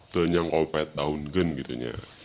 tenyang kopet daun gen gitu nya